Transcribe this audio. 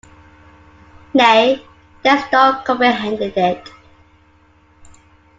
Nay, there’s no comprehending it.